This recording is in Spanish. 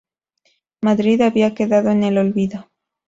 Madrid había quedado en el olvido.